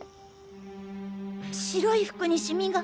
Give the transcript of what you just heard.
白い服にシミが！